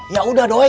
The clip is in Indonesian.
ya udah doi